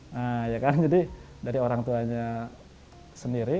nah ya kan jadi dari orang tuanya sendiri